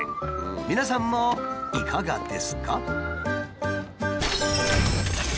皆さんもいかがですか？